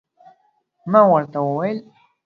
ما ورته وویل